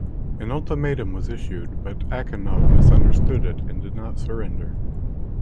An ultimatum was issued, but Achinov misunderstood it and did not surrender.